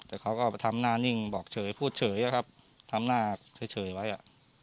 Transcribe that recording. แต่เขาก็ทำหน้านิ่งบอกเฉยพูดเฉยอะครับทำหน้าเฉยไว้อ่ะ